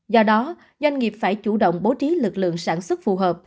do đó doanh nghiệp phải chủ động bố trí lực lượng sản xuất phù hợp